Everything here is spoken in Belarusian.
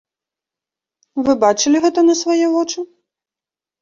Вы бачылі гэта на свае вочы?